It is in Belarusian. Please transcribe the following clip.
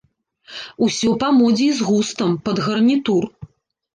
Усё па модзе і з густам, пад гарнітур.